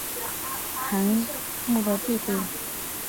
韩绛的弟弟。